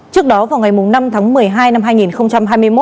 trước đó vào ngày năm tháng một mươi hai năm hai nghìn hai mươi một